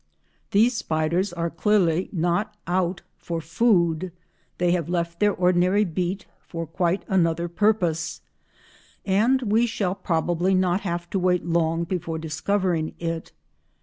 These spiders are clearly not "out" for food; they have left their ordinary beat for quite another purpose, and we shall probably not have to wait long before discovering it.